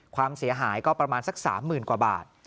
ความเสียหายก็ประมาณสัก๓๐๐๐กว่าบาท